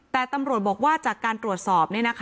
แต่ตำรวจบอกว่าจากการตรวจสอบ